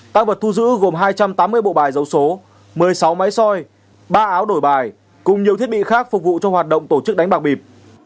tăng vật thu giữ gồm hai trăm tám mươi bộ bài dấu số một mươi sáu máy soi ba áo đổi bài cùng nhiều thiết bị khác phục vụ cho hoạt động tổ chức đánh bạc bịp